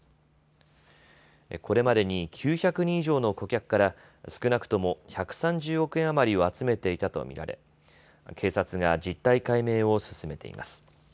これまでに９００人以上の顧客から少なくとも１３０億円余りを集めていたと見られ警察が実態解明を進めています。